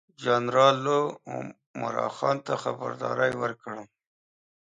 جنرال لو عمرا خان ته خبرداری ورکړ.